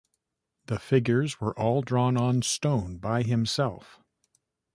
The figures were all drawn on stone by himself.